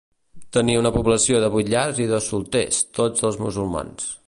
Tenia una població de vuit llars i dos solters, tots els musulmans.